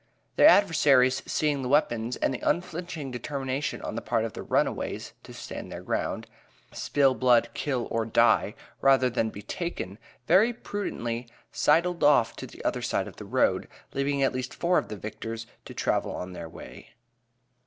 Their adversaries seeing the weapons, and the unflinching determination on the part of the runaways to stand their ground, "spill blood, kill, or die," rather than be "taken," very prudently "sidled over to the other side of the road," leaving at least four of the victors to travel on their way.